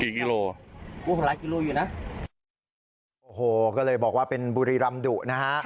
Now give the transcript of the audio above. กิโลโอ้โหหลายกิโลอยู่นะโอ้โหก็เลยบอกว่าเป็นบุรีรำดุนะฮะ